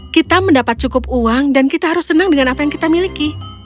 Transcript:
kita mendapat cukup uang dan kita harus senang dengan apa yang kita miliki